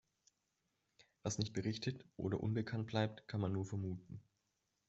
Was nicht berichtet oder unbekannt bleibt, kann man nur vermuten.